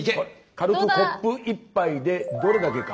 軽くコップ１杯でどれだけか。